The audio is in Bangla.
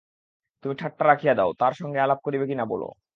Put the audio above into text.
তুমি ঠাট্টা রাখিয়া দাও–তার সঙ্গে আলাপ করিবে কি না বলো।